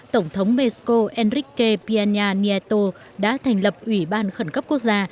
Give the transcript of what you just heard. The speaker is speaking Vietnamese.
tổng thống mexico enrique pena nieto đã thành lập ủy ban khẩn cấp quốc gia